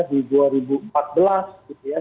di dua ribu empat belas gitu ya